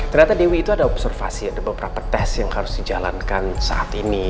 ternyata dewi itu ada observasi ada beberapa tes yang harus dijalankan saat ini